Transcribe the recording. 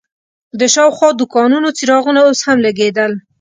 د شاوخوا دوکانونو څراغونه اوس هم لګېدل.